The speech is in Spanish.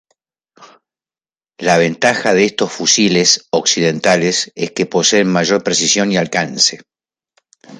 La ventaja de estos fusiles occidentales es que poseen mayor precisión y alcance.